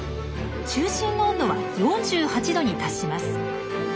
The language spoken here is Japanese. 中心の温度は４８℃に達します。